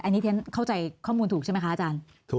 อันนี้เข้าใจข้อมูลถูกใช่ไหมคะอาจารย์